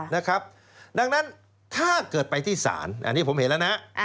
นะครับดังนั้นถ้าเกิดไปที่ศาลอันนี้ผมเห็นแล้วนะ